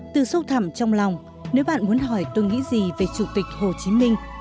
từ sâu thẳm trong lòng nếu bạn muốn hỏi tôi nghĩ gì về chủ tịch hồ chí minh